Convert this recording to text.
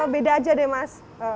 beda aja deh mas